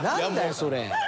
それ。